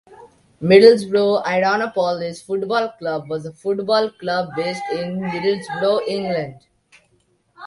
Middlesbrough Ironopolis Football Club was a football club based in Middlesbrough, England.